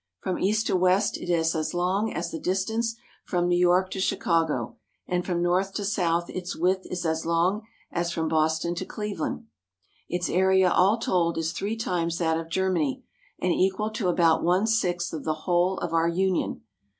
From east to west it is as long as the distance from New York A Nomad Family and House. to Chicago, and from north to south its width is as long as from Boston to Cleveland. Its area all told is three times that of Germany, and equal to about one sixth of the whole of our Union.